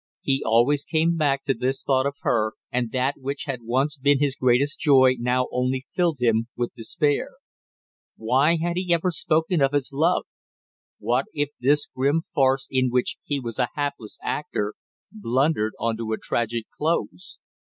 He always came back to his thought of her, and that which had once been his greatest joy now only filled him with despair. Why had he ever spoken of his love, what if this grim farce in which he was a hapless actor blundered on to a tragic close!